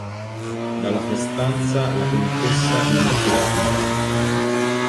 Dalla sua stanza la contessa non uscirà viva.